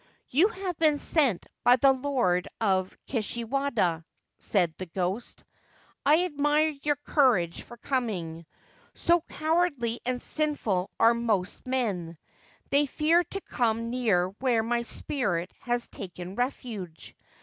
' You have been sent by the Lord of Kishiwada,' said the ghost. ' I admire your courage for coming. So cowardly and sinful are most men, they fear to come near where my spirit has taken refuge.